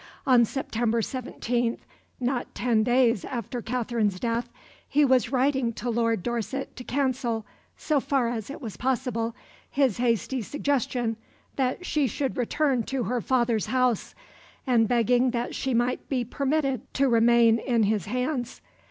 On September 17, not ten days after Katherine's death, he was writing to Lord Dorset to cancel, so far as it was possible, his hasty suggestion that she should return to her father's house, and begging that she might be permitted to remain in his hands.